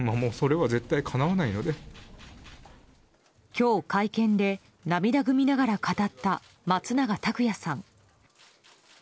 今日、会見で涙ぐみながら語った松永拓也さん。